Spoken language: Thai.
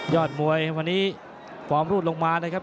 อดมวยวันนี้ฟอร์มรูดลงมานะครับ